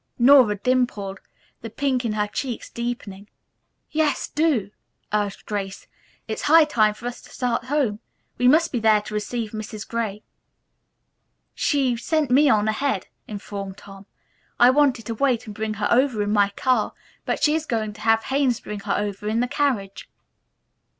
Nora dimpled, the pink in her cheeks deepening. "Yes, do," urged Grace. "It is high time for us to start home. We must be there to receive Mrs. Gray." "She sent me on ahead," informed Tom. "I wanted to wait and bring her over in my car, but she is going to have Haynes bring her over in the carriage."